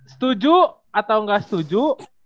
setuju atau gak setuju